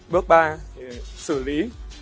bước ba thì xử lý